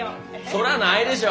そらないでしょ！